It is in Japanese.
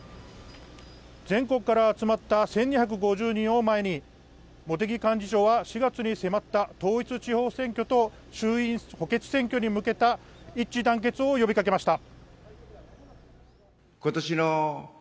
全国から集まった１２５０人を前に茂木幹事長は４月に迫った統一地方選挙と衆院補選挙に向けた一致団結を呼びかけました。